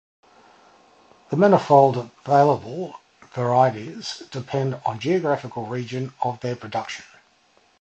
The manifold available varieties depend on the geographical region of their production.